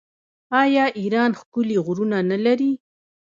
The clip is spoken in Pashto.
آیا ایران ښکلي غرونه نلري؟